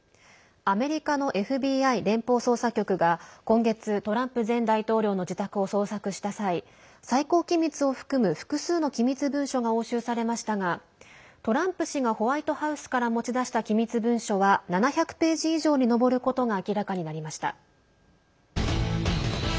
アメリカのＦＢＩ＝連邦捜査局が今月、トランプ前大統領の自宅を捜索した際最高機密を含む複数の機密文書が押収されましたがトランプ氏がホワイトハウスから持ち出した機密文書は７００ページ以上に上ることが明らかになりました。